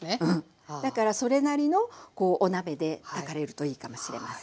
だからそれなりのお鍋で炊かれるといいかもしれません。